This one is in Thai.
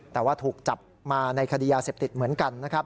แต่ว่าถูกจับมาในคดียาเสพติดเหมือนกันนะครับ